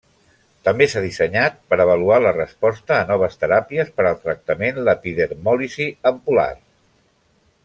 També s'ha dissenyat per avaluar la resposta a noves teràpies per al tractament l'epidermòlisi ampul·lar.